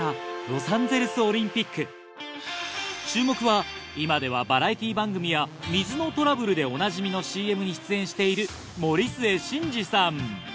注目は今ではバラエティー番組や水のトラブルでおなじみのＣＭに出演している森末慎二さん。